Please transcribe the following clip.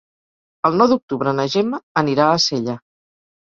El nou d'octubre na Gemma anirà a Sella.